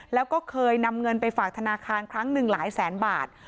แล้วก็เคยนำเงินไปฝากธนาคารครั้งหนึ่งหลายแสนบาท